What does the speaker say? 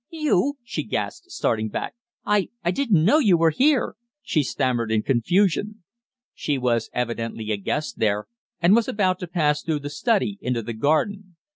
"You!" she gasped, starting back. "I I didn't know you were here!" she stammered in confusion. She was evidently a guest there, and was about to pass through the study into the garden.